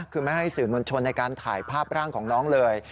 คือไม่ให้สื่อมวลชนในการถ่ายภาพร่างของน้องเลย